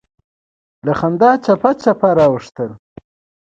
له خندا چپه چپه اوښتل.